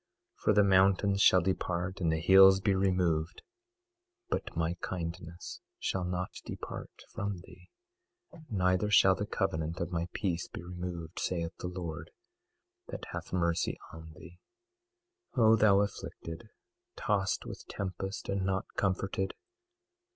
22:10 For the mountains shall depart and the hills be removed, but my kindness shall not depart from thee, neither shall the covenant of my peace be removed, saith the Lord that hath mercy on thee. 22:11 O thou afflicted, tossed with tempest, and not comforted!